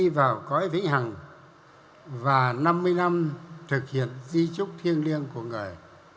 và năm mươi năm thực hiện di trúc thiêng liêng của người